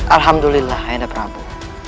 alhamdulillah ayanda prabu